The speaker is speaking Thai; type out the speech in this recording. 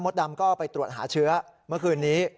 ดำก็ไปตรวจหาเชื้อเมื่อคืนนี้